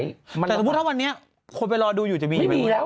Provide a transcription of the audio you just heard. แต่สมมุติว่าถ้าวันนี้คนไปรอดูอยู่จะมีไหม